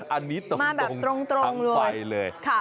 อันนี้ตรงมาแบบตรงเลย